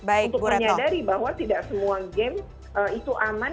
untuk menyadari bahwa tidak semua game itu aman